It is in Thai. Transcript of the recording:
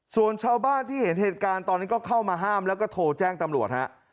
ส่วนชาวบ้านที่เห็นเหตุการณ์ตอนนี้ก็เข้ามาห้ามแล้วก็โทรแจ้งตำรวจฮะ